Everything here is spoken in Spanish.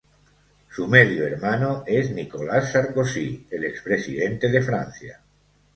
Su medio hermano es Nicolas Sarkozy, el expresidente de Francia.